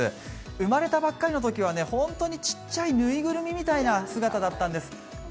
生まれたばっかりのときは本当にちっちゃい、ぬいぐるみみたいな姿だったんです。